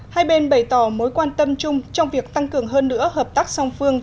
hai bên bày tỏ mối quan tâm chung trong việc tăng cường hơn nữa hợp tác song phương